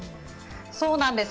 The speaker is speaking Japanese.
そうなんです。